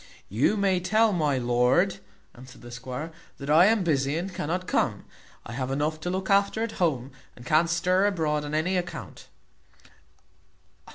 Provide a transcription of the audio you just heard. "You may tell my lord," answered the squire, "that I am busy and cannot come. I have enough to look after at home, and can't stir abroad on any account."